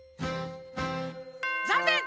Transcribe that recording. ざんねん！